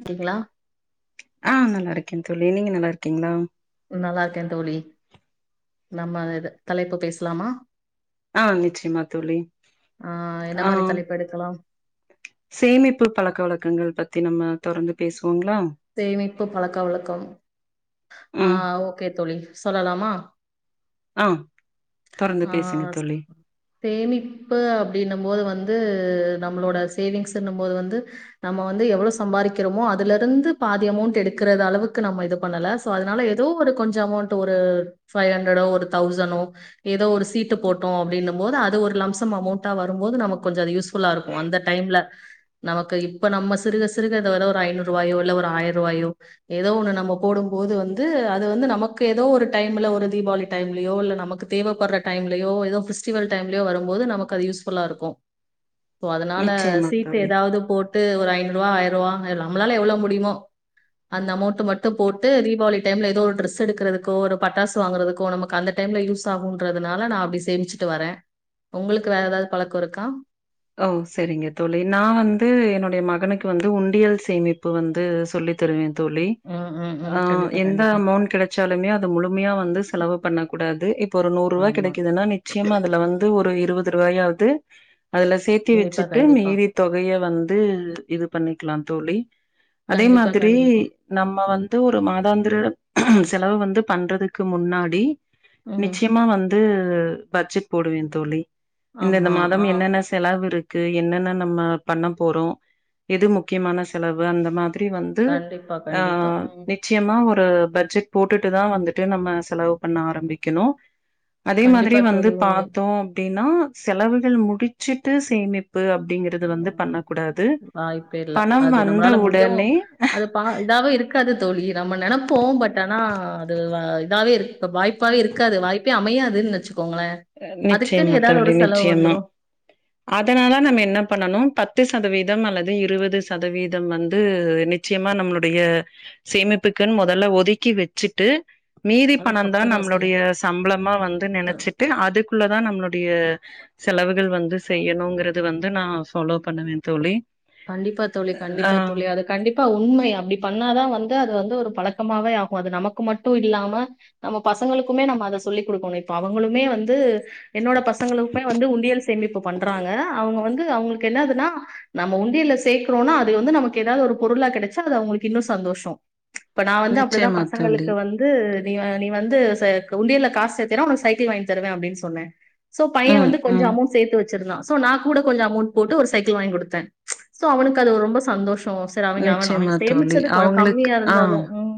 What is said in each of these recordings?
இக்கீங்ளா ஆ நல்லாருக்கே தோழி நீங்க நல்லா இருக்கீங்ளா ம் நல்லாருக்கே தோழி நம்ம இத தலைப்பு பேசலாமா ஆ நிச்சயமா தோழி ஆ என்ன ஆ மாரி தலைப்பு எடுக்கலாம் சேமிப்பு பழக்க வழக்கங்கள் பத்தி நம்ம தொடர்ந்து பேசுவோங்ளா சேமிப்பு பழக்க வழக்கம் ஆ ம் ஓக்கே தோழி சொல்லலாமா ஆ தொடர்ந்து அ பேசுங்க தோழி சேமிப்பு அப்டின்னும்போது வந்து நம்மளோட சேவிங்ஸ்ன்னும் போது வந்து நம்ம வந்து எவ்ளோ சம்பாரிக்கிறோமோ அதுலருந்து பாதி அமோண்ட் எடுக்கறத அளவுக்கு நம்ம இது பண்ணல சோ அதனால ஏதோ ஒரு கொஞ்ச அமோண்ட்டு ஒரு ஃபைவ் ஹண்ட்ரடோ ஒரு தௌசனோ ஏதோ ஒரு சீட்டு போட்டோ அப்டின்னும்போது அது ஒரு லம்சம் அமோண்ட்டா வரும்போது நமக்கு கொஞ்சோ அது யூஸ் ஃபுல்லா இருக்கு அந்த டைம்ல நமக்கு இப்ப நம்ம சிறுக சிறுக இந்த வெத ஒரு ஐநூற்வாயோ இல்ல ஒ ஆயர்ரூவாயோ ஏதோ ஒண்ணு நம்ம போடும் போது வந்து அது வந்து நமக்கு ஏதோ ஒரு டைம்ல ஒரு தீபாவளி டைம்லயோ இல்ல நமக்கு தேவைப்பட்ற டைம்லயோ ஏதோ பிஃஸ்டிவல் டைம்லயோ வரும்போது நமக்கு அது யூஸ்ஃபுல்லா இருக்கு சோ அதனால நிச்சயமா சீட்டு தோழி ஏதாவது போட்டு ஒரு ஐநூருவா ஆயிர்வா அத் நம்ளால எவ்ளோ முடியமோ அந்த அமௌண்ட் மட்டு போட்டு தீபாவளி டைம்ல ஏதோ ஒரு டிரெஸ் எடுக்குறதுக்கோ ஒரு பட்டாசு வாங்கறதுக்கோ நமக் கு‌ அந்த டைம்ல யூஸ் ஆகுன்றதுனால நா அப்டி சேமிச்சுட்டு வரே உங்களுக்கு வேற ஏதாவது பழக்கோ இருக்கா ஓ சரிங்க தோழி நா வந்து என்னுடைய மகனுக்கு வந்து உண்டியல் சேமிப்பு வந்து சொல்லி தருவே தோழி ம் ம் ம் ஆ கண்டிப்பா எந்த கண்டிப்பா அமௌண்ட் கிடைச்சாலுமே அத முழுமையா வந்து செலவு பண்ணக்கூடாது இப்ப ஒரு நூற் ரூவா ஆமா கிடைக்குதுனா நீ நிச்சயமா அதுல வந்து ஒரு இருவது ரூவயாவது அதுல சேத்தி கண்டிப்பா வச்சுட்டு கண்டிப்பா மீதி தொகைய வந்து இது பண்ணிக்கிலா தோழி அதே கண்டிப்பா, மாதிரி கண்டிப்பா. நம்ம வந்து ஒரு மாதாந்திர செலவு வந்து பண்றதுக்கு முன்னாடி ம். நிச்சயமா வந்து பட்ஜெட் போடுவே தோழி இந்த இந்த ஆமா. மாதம் ஆ. என்னென்ன செ செலவிருக்கு என்னென்ன நம்ம பண்ண போறோ எது முக்கியமான செலவு அந்த மாதிரி வந்து கண்டிப்பா, அ கண்டிப்பா. ம். நிச்சியமா ஒரு பட்ஜெட் போட்டுட்டு தா வந்துட்டு நம்ம செலவு பண்ண ஆரம்பிக்கிணு அதே மாதிரி கண்டிப்பா வந்து தோழி உண்மை. பாத்தோ அப்டின்னா செலவுகள் முடி சிட்டு சேமிப்பு அப்டிங்கிறது அதுவந்து ம். பண்ணக்கூடாது வாய்ப்பே இல்ல. பணம் அது நம்மளால முடியவும் வந்தவுடனே அது பா இதாவு இருக்காது தோழி நம்ம நெனப்போ பட் ஆனா அது வா இதாவே இருக் இப்ப வாய்ப்பாவே இருக்காது வாய்ப்பே அமையாதுன் வச்சுக்கோங்களே அதுக்குனு நிச்சயமா ஏதாவது ஒரு தோழி, செலவு நிச்சயமா. வந்துரு அதனால நம்ம என்ன பண்ணனு பத்து சதவீதம் அல்லது இருவது சதவீதம் வந்து நெ நிச்சயமா நம்மளுடைய சேமிப்புக்குன் மொதல்ல ஒதுக்கி வச்சுட்டு மீதி பணந்தா அதுக்கப்புறம் நம்மளுடைய செலவு. சம்பளமா வந்து செலவு நெனச்சிட்டு அதுக்குள்ளதா நம்மளுடைய செலவுகள் வந்து செய்யணுங்கிறது வந்து நா ஃபாலோ பண்ணுவே தோழி கண்டிப்பா தோழி ஆ கண்டிப்பா தோழி அதுக்கு கண்டிப்பா உண்மை அப்டி பண்ணாதா வந்து அது வந்து ஒரு பழக்கமாவே ஆகு அது நமக்கு மட்டு இல்லாம நம்ம பசங்களுக்குமே நம்ம அத சொல்லி குடுக்கணு இப்ப அவங்களுமே வந்து என்னோட பசங்களுக்மே வந்து உண்டியல் சேமிப்பு பண்றாங்க அவுங்க வந்து அவுங்களுக் என்னாதுனா நம்ம உண்டியில சேக்றோனா அது வந்து நமக்கு ஏதாவது ஒரு பொருளா கெடைச்சா அது அவுங்களுக்கு இன்னு சந்தோஷ இப்ப நா வந்து அப்டிதா நிச்சயமா தோழி பசங்களுக்கு வந் து நீ நீ வந்து சே உண்டியல்ல காசு சேத்தின உனக்கு சைக்கிள் வாங்கிதருவே அப்டின் சொன்னே சோ பைய ம் வந்து கொஞ்ச ம் அமௌண்ட் சேத்து வச்சிருந்தா சோ நா கூட கொஞ்ச அமௌன்ட் போட்டு ஒரு சைக்கிள் வாங் குடுத்தே சோ அவனுக்கு அது ரொம்ப சந்தோஷ சரி அவங்க அவ நானே நிச்சயமா தோழி சேமிச்சது கொஞ்ச அவங்களுக்கு கம்மியா ஆ இருந்தாலு ம்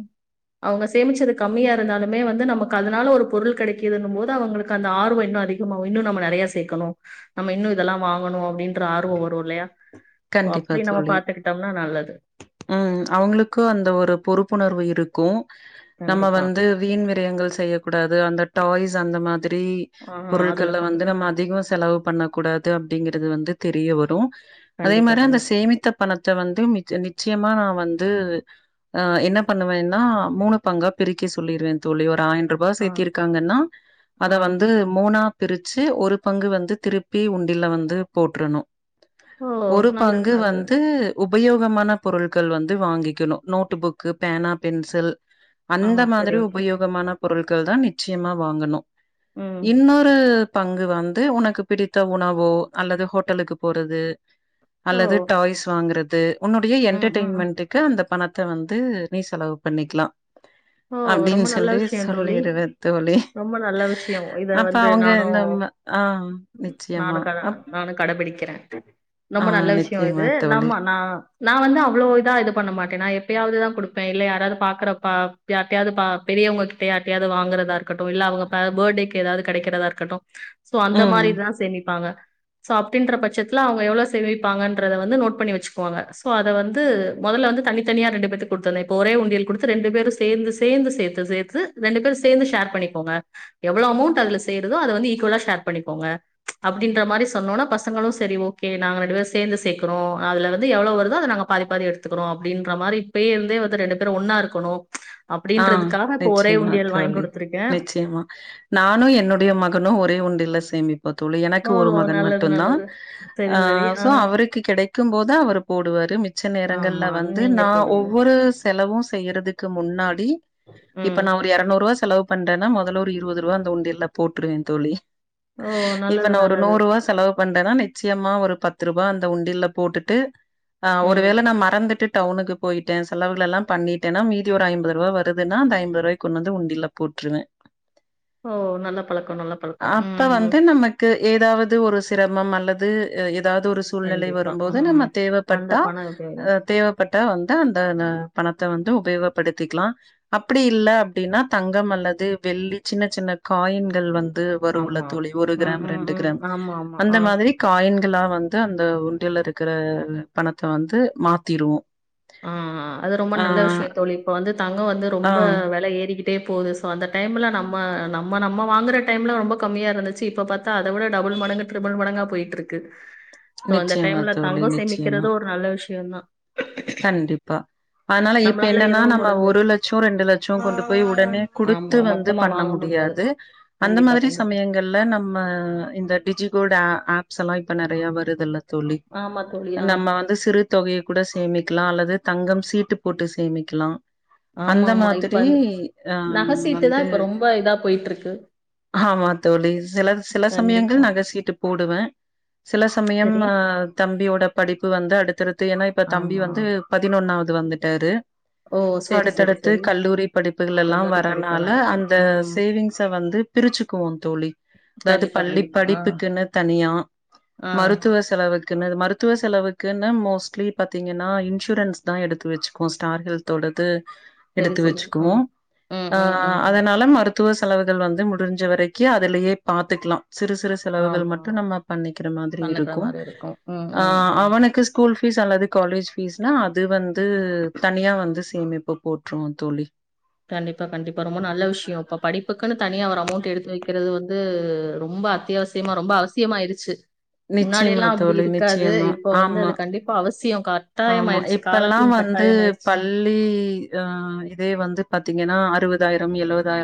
அவுங்க சேமிச்சது கம்மியா இருந்தாலுமே வந்து நமக்கு அதனால ஒரு பொருள் கெடைக்குதுன்னும் போது அவங்களுக்கு அந்த ஆர்வ இன்னு அதிக மாவு இன்னு நம்ம நெறைய சேக்கணு நம்ம இன்னு இதெல்லா வாங்கணு அப்டின்ற ஆர்வ வரு இல்லயா சோ கண்டிப்பா அப்டி நம்ம தோழி பாத்துக்கிட்டம்னா நல்லது ம் அவுங்களுக்கு அந்த ஒரு பொறுப்புணர்வு இருக்கு நம்ம கண்டிப்பா. வந்து வீண் விரயங்கள் செய்யக் கூடாது அந்த டாய்ஸ் அந்த மாதிரி ஆ அதுல பொருள்கள்ல கொண்டு வந்து போ நம்ம அதிகோ செலவு பண்ண கூடாது அப்டிங்கிறது வந்து தெரிய வரு அதே கண்டிப்பா, மாரி அந்த கண்டிப்பா. சேமித்த பணத்த வந்து நிச்சயமா நா வந்து ஆ என்ன பண்ணுவேன்னா மூணு பங்கா பிரிக்க சொல்லிருவே தோழி ஒரு ஆயின் ரூ பா ஆ, சேத்தி இருக்காங்கன்னா ஆ. அத வந்து மூணா பிரிச்சு ஒரு பங்கு வந்து திருப்பி உண்டில வந்து போட்றணு ஓ! ஒரு நல்லது, பங்கு நல்லது. வந்து உபயோகமான பொருள்கள் வந்து வாங்கிக்கிணு நோட் புக்கு பேனா பென்சில் ஆ அந்த சரி மாரி ஓகே. உபயோகமான பொருள்கள் தா நிச்சியமா வாங்கணு ம். இன்னொரு பங்கு வந்து உனக்கு பிடித்த உணவோ அல்லது ஹோட்டலுக்கு போறது ஓ! அல்லது டாய்ஸ் வாங்கறது உன்னுடைய ம், ம். ம். என்டர்டெயின்மெண்ட்க் கு அந்த பணத்த வந்து நீ செலவு பண்ணிக்கலா ஓ! அப்டின்னு ரொம்ப நல்ல சொல்லி விஷயம் தோழி. சொல்லிருவே தோழி ரொம்ப நல்ல விஷயம். இத அப்ப வந்து அவங்க நானும் நம்ம ஆ நானு நிச்சயமா கட அப் நானு ஆ ரொம்ப நல்ல விஷயோ நிச்சயமா இது தோழி. நம்ம நா நா வந்து அவ்ளோ இதா இது பண்ண மாட்டேன் நான் எப்பயாது தான் குடுப்பேன் இல்ல யாராது பாக்கறப்பா ப்ப யார்ட்டயாது பா பெரியவங்க கிட்டே யார்ட்டயாது வாங்கறதா இருக்கட்டு இல்ல அவங்க பர்த்டேக்கு ஏதாது கிடைக்கிறதா இருக்கட்டு சோ அந்த ம். மாரி தா சேமிப்பாங்க சாப்டின்ற பட்சத்தில அவங்க எவ்ளோ சேமிப்பாங்கன்றத வந்து நோட் பண்ணி வச்சுக்குவாங்க சோ அத வந்து மொதல்ல வந்து தனித்தனியா ரெண்டு பேத்துக்கு குடுத்திருந்தேன் இப்ப ஒரே உண்டியல் குடுத்து ரெண்டு பேரும் சேந்து சேந்து சேத்து சேத்து ரெண்டு பேரும் சேர்ந்து ஷேர் பண்ணிக்கோங்க எவ்ளோ அமௌண்ட் அதுல சேருதோ அத வந்து ஈக்குவலா ஷேர் பண்ணிக்கோங்க அப்டின்ற மாரி சொன்னோன பசங்களும் சரி ஓகே நாங்க இரண்டு பேரும் சேந்து சேக்குறோ அதுல வந்து எவ்ளோ வருதோ அத நாங்க பாதி பாதி எடுத்துக்கறோ அப்டின்ற மாரி இப்யே இருந்தே ரெண்டு பேரும் ஒன்னா இருக்கணு ஆ அப்டின்றதுக்காக இப்ப ஒரே நிச்சயமா உண்டியல் வாங்கி தோழி குடுத்துருக்கே நிச்சயமா நானு என்னுடைய மகனும் ஒரே உண்டில சேமிப்போ தோழி எனக்கு ஓ ஒரு மகன் நல்லது மட்டும் தான் நல்லது சரி ஆ சரி சோ அவருக்கு கெடைக்கும் போது அவரு போடுவாரு மிச்ச நேரங்கள்ல ஆமா வந்து நீங்க நான் போடுவீங்க ஒவ்வொரு செலவு செய்யறதுக்கு முன்னாடி இப்ப ம் நா ஒரு எறநூற்ரூவா செலவு பண்றன்னா மொதல்ல ஒரு இருவது ரூவா அந்த உண்டியல்ல போட்ருவே தோழி ஓ இப்ப நல்லது நா ஒரு நல்லது நூற்ரூவா செலவு பண்றேன்னா நிச்சயமா ஒரு பத்து ரூபா அந்த உண்டில்ல போட்டுட்டு ஆ ஒரு ம் வேள நா மறந்துட்டு டவுனுக்கு போயிட்டேன் செலவுகள் எல்லாம் பண்ணிட்டேன்னா மீதி ஒரு ஐம்பது ரூவா வருதுன்னா அந்த ஐம்பது ரூவா கொண்டு வந்து உண்டில போட்ருவே ஓ நல்ல பழக்கோ நல்ல பழக்கோ உம் கு எதாவது ஒரு சிரமம் அல்லது ஏதாது ஒரு சூழ்நிலை கண்டிப்பா வரும்போது நம்ம ம் அந்த தேவைப்பட்டா பண உபயோகம் அ தேவ பட்டா வந்தா அந்த பணத்த வந்து உபயோகப்படுத் திக்கலா அப்படில்ல அப்படின்னா தங்கம் அல்லது வெள்ளி சின்ன சின்ன காயின்கள் வந் து வருஉள்ள ஆமா தோழி ஒரு ம் கிராம் ம் ரெண்டு ம் கிராம் ஆமா ஆமா அந்த ஆ மாதிரி காயின்களா வந்து அந்த உண்டியில இருக்கிற பணத்த வந்து மாத்திருவோ ஆ அது ரொம்ப நல்ல விஷயோ தோழி இப்ப வந்து தங்கம் வந்து ஆ ரொம்ப வெல ஏறிக்கிட் டே போது சோ அந்த டைம்ல நம்ம நம்ம நம்ம வாங்குற டைம்ல ரொம்ப கம்மியா இருந்துச்சு இப்ப பாத் தா அத விட டபுள் மடங்கு ட்ரிபிள் மடங்கா போயிட்டு இருக்கு சோ அந்த நிச்சயமா டைம்ல தோழி தங்கோ நிச்சயமா சேமிக்கிறதும் ஒரு நல்ல விஷயோந்தா கண்டிப்பா ஆனால இப்ப நம்மளால என்னன்னா எதுவும் நம்ம முடிஞ்சு ஒரு லட்சோ ரெண்டு லட்சோ கொண்டு போய் உடனே குடுத்து வந்து பண்ண முடியாது அந்த மாதிரி கண்டிப்பாதா சமயங்கள்ல நம்ம இந்த டிஜிகோல்டு ஆ ஆப்ஸ்ல்லா இப்ப நெறைய வருதுல்ல தோழி ஆமா தோழி. ஆ. நம்ம வந்து சிறு தொகைய கூட சேமிக் கிலா அல்லது தங்கம் சீட்டு போட்டு சேமிக்கலா அந்த ஆமாமா. இப்ப மாதிரி அந்த ஆ நகை சீட்டு தான் வந்து இப்ப ரொம்ப இதா போயிட்டுருக்கு. ஆமா தோழி சில சில கண்டிப்பா. சமயங்கள் நகசீட்டு போடுவே சில சமயம் சரி. அ தம்பியோட படிப்பு வந்து அடுத்தடுத்து ஏன்னா இப்ப தம்பி ஆமா. வந்து பதினொன்னாவது வந்துட்டாரு ஓ! சோ சரி, சரி, அடுத்தடுத்து சரி. கல்லூரி படிப்புகலெல்லா கல்லூரி வரனால படிப்பெல்லாம் இருக்கு. அந்த ம். சேவிங்ஸ வந்து பிரிச்சுக்குவோ தோழி அதாவ்து கண்டிப்பா, பள்ளி கண்டிப்பா. ஆ. படிப்புக்குன்னு தனியா ஆ மருத்துவ செலவுக்குன்னு மருத்துவ செலவுக்குன்னு மோஸ்ட்லி பாத்தீங்கன் னா இன்சூரன்ஸ் தா எடுத்து வச்சுக்குவோ ஸ்டார் ஹெல்தோடது சரி எடுத்து சரி வச்சுக்குவோ ம் ம் அ ம் ம் ம் அதனால மருத் தத்துவ செலவுகள் வந்து முடிஞ்ச வரைக்கு அதுலயே பாத்துக்கலா சிறு சிறு செலவுகள் ஆமா மட்டு நம்ம பண்ணிக்கிற மாதிரி பண்ணுக்கிற இருக்கு மாரி இருக்கும் ம் ஆ ம் ம் அவனுக்கு ஸ்கூல் ஃபீஸ் அல்லது காலேஜ் ஃபீஸ்னா அது வந்து தனியா வந்து சேமிப்பு போட்ருவோ தோழி கண்டிப்பா கண்டிப்பா ரொம்ப நல்ல விஷ்ய இப்ப படிப்புக்குன்னு தனியா ஒரு அமௌண்ட் எடுத்து வைக்கிறது வந்து ரொம்ப அத்தியாவ சியமா ரொம்ப அவசியமாய்டுச்சு நிச்சயமா முன்னாடியெல்லா அப்டி தோழி, இருக்காது நிச்சயமா. இப்ப வந்து ஆமா, அது கண்டிப் இப்ப அவசிய காட் ஆமா இப்பெல்லா வந்து பல் லி ஆ இதே வந்து பாத்தீங்கன்னா அறுவதாயிர எழுவதா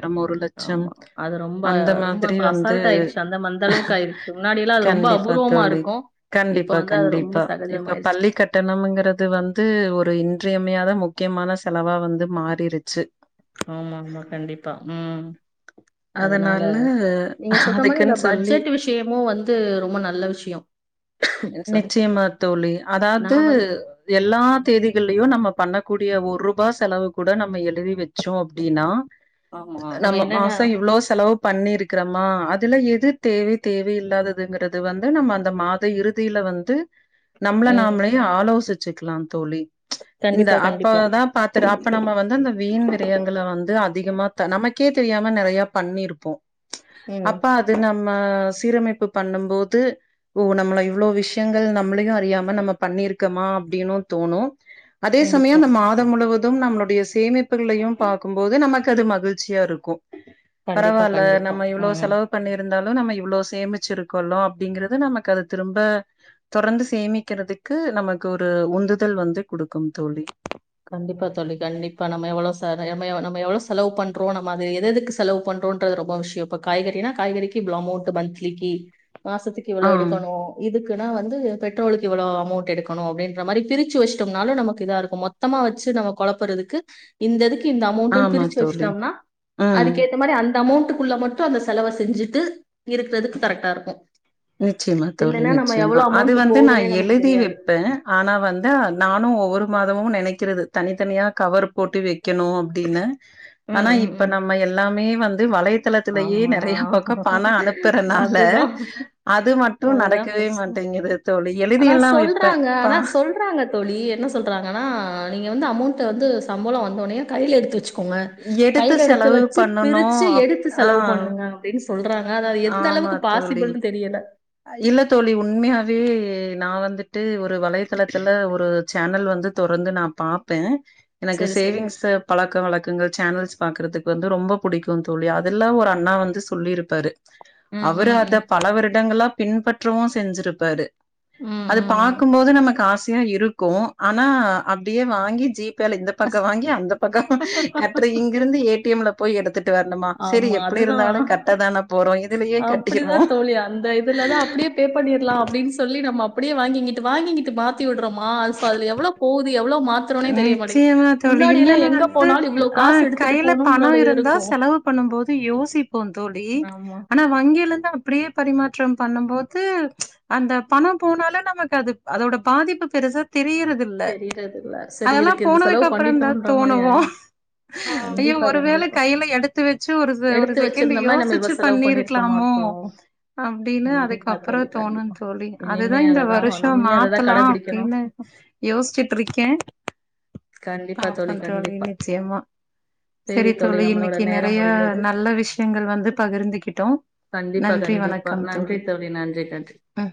ஆமா அது ரொம்ப ரொம்ப மாதிரி இப்ப வந்து அசால்டா ஆயிருச்சு அந்த மந்த அளவுக்கு ஆயிரு இதுக்கு முன்னாடியெல்லா அது ரொம்ப கண்டிப்பா அபூர்வமா தோழி. இருக்கு கண்டிப்பா கண்டிப்பா இப்ப பள்ளிக்கட் டணம்ங்கிறது வந்து ஒரு இன்றியமையாத முக்கியமான செலவா வந்து மாறிருச்சு ஆமா ஆமா கண்டிப்பா ம் அதனால நீங்க சொல்ற மாரி இந்த அதுக்குன்னு சொல்லி பட்ஜெட்டு விஷ் யோமு வந்து ரொம்ப நல்ல விஷ்யோ நிச்சயமா தோழி அதாவ்து நான் வந்து எல்லா தேதிகள்லியு நம்ம பண்ணக்கூடிய ஒரூபா செலவு கூட நம்ம எழுதி வச்சோ அப்டின்னா ஆமா. நம்ம என்னன்னா மாச இவ்ளோ செலவு பண்ணிருக்கிறமா அதுல எது தேவை தேவை இல்லாததுங்கிறது வந்து நம்ம அந்த மா த இறுதியில வந்து நம்மள ம். நாமளே ஆலோசிச்சுக்கலா தோழி இந்த கண்டிப்பா, கண்டிப்பா. அப்பதா பாத்துட்டு அப் ப நம்ம வந்து அந்த வீண் விரயங்கள வந்து அதிகமா த நமக்கே தெரியாம நெறைய பண்ணிருப்போ ம். அப்ப அது நம்ம சீரமைப்பு பண்ணும்போது ஓ நம்மள இவ்வளோ விஷ்யங்கள் நம்மளையு அறியாம நம்ம பண்ணிருக்கோமா அப்டின்னு தோணு அதே சமயோ கண்டிப்பா. நம்மத் தம் முழுவது நம்மளுடைய சேமிப்புகளையு பாக்கும்போது நமக்கு அது மகிழ்ச்சியா இருக்கு கண்டிப்பா, பரவால்ல கண்டிப்பா. நம்ம இவ்ளோ ம். செலவு பண்ணிருந்தாலு நம்ம இவ்ளோ சேமிச்சி இருக்கோள அப்டிங்கறத நமக் [unintelligible] திரும்ப தொரந்து சேமிக்கிறதுக்கு நமக்கு ஒரு உந்துதல் வந்து குடுக்கு தோழி கண்டிப்பா தோழி கண்டிப்பா நம்ம எவ்ளோ செ [unintelligible] நம்ம எவ்ளோ செலவு பண்றோ நம்ம அது எது எதுக்கு செலவு பண்றோ ண்டு அது ரொம்ப விஷ்யோ இப்ப காய்கறினா காய்கறிக்கு இவ்ளோ அமௌண்ட் மந்த்லிக்கு மாசத்துக்கு ஆ, இவ்ளோ எடுக்கணு இதுக்குன்னா வந்து பெட்ரோலுக்கு இவ்ளோ அமௌண்ட் எடுக்கணு அப்டின்ற மாரி பிரிச்சு வச்சுடேம்னாலு நமக்கு இதா இருக்கு மொத் தமா வச்சு நம்ம கொழப்பறதுக்கு இந்த இதுக்கு இந்த அமௌண்ட்டுன்னு ஆமா பிரிச்சு தோழி. வச்சுட்டோம்னா ம். அதுக்கேத்த மாரி அந்த அமௌண்டக்குள்ள மட் ட்டு அந்த செலவ செஞ்சுட்டு இருக்கிறதுக்கு கரெக்டா இருக்கு நிச்சயமா தோழி நிச்சயமா அது வந்து நா போகுதுன்னே நமக்கு எழுதி தெரியாது வெப்பே ஆனா வந்து நானு ஒவ்வொரு மாதமு நினைக்கிறது தனித்தனியா கவர் போட்டு வைக்கணு அப்டின்னு ஆனா ம் ம் இப்ப ம் நம்ம எல்லாமே வந்து வலையத் த்தளத்திலயே ஆமா நெறைய பக்கோ பண அனுப்பறனால அதுதான் இது மட்டு அதுதான் நடக்கவே பிரச்சன மாட்டேங்குது தோழி எழுதி எல்லா வப்பேன் பா சொல்கறாங்க தோழி என்ன சொல்றாங்கன்னா நீங்க வந்து அமௌண்ட வந்து சம்பளோ வந்தவுனயே கையில எடுத்து வச்சு கோங்க கையில் எடுத்து செலவு வச்சு பண்ணணும். பிரிச்சு அப் எடுத்து ஆ. செலவு பண்ணுங்க அப்டின்னு சொல்றாங்க அது அது எந்த ஆமா அளவுக்கு தோழி. பாசிபிள்ன்னு தெரியல இல்ல தோழி உண்மையாவே நா வந்துட்டு ஒரு வலைத்தளத்துல ஒரு சேனல் வந்து தொடர்ந்து நா பாப்பே எனக்கு சரி சரி சேவிங்ஸ் பழக்க வழக்கங்கள் சேனல்ஸ் பாக்கறதக்கு வந்து ரொம்ப புடிக்கும் தோழி அதெல்லா ஒரு அண்ணா வந்து சொல்லியிருப்பாரு ம் அவரு ம் அத ம் பல வருடங்களா பின்பற்றவு செஞ்சிருப்பாரு ம் அது ம் பாக்கும்போது நமக்கு ஆசையா இருக்கு ஆனா அப்டியே வாங்கி ஜீ பேல இந்த பக்கோ வாங்கி அந்த பக்க கட்டுற இங்கிருந்து ஏ டி எம்ல போய் எடுத்துட்டு வரணுமா செரி ஆமா எப்டி இருந்தாலு அதுதான் கட்ட தானே போறோ இதுலயே கட்டிருவோ லே அந்த இதுல தா அப்டியே பே பண்ணிடலா அப்டின்னு சொல்லி ந நம்ம அப்டியே வாங்கி இங்கிட்டு வாங்கி இங்கிட்டு மாத்தி விடுறோம்மா அ அதுல எவ்ளோ போகுது எவ்வளோ மாத்தி மாத்துறோனே தெரிய மாட்டேங்குது நிச்சயமா தோழி முன்னாடி எல்லா இன்னொன்னு எங்க வந்து போனாலு இவ்ளோ காசு எடுத்துட்டு போனுன்றது இருக்கு பண்ணும் போது யோசிப்போ தோழி ஆமா ஆனா வங்கியில இருந்து அப்டியே பரிமாற்றம் பண்ணும்போது அந்த பணம் போனாலே நமக்கு அது அதோட பாதிப்பு பெருசா தெரியறது இல்ல தெரியறதில்ல அதெல்லா போனதுக்கு அப்புறந்தா தோணுவோ ஆயிடும் ஐயோ கண்டிப்பா ஒருவேளை கண்டிப்பா கையில எடுத்து வச்சு ஒரு ஒரு எடுத்து செகண்ட் வச்சிருந்தோம்னா நம்ம யோசிச்சு இவ்வளவு செலவு பண்ணிருக்க பண்ணிருக்கலாமோ மாட்டோம் அப்டின்னு கண்டிப்பா அதுக்கப்புறோ தோழி தோணு கண்டிப்பா தோழி அதுதா இனிமே இந்த அததான் வருஷோ இனிமே அததான் மாத்தலா கடைபிடிக்கணும் அப்டின்னு யோசிச்சுட்டு இருக்கே கண்டிப்பா தோழி பாப்போந் தேழி கண்டிப்பா நிச்சயமா சரி தோழி நம்மளோட இன்னைக்கி நேரம் நெறைய முடிந்தது நல்ல விஷயங்கள் வந்து பகிர்ந்துகிட்டோ கண்டிப்பா நன்றி கண்டிப்பா வணக்கம் நன்றி தோழி நன்றி நன்றி ம்